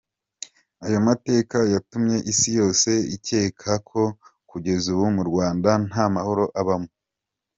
Ayo mateka yatumye Isi yose ikeka ko kugeza ubu mu Rwanda nta mahoro abamo.